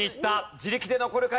自力で残るか？